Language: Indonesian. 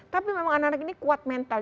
tapi memang anak anak ini kuat mental